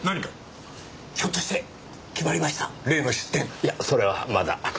いやそれはまだ。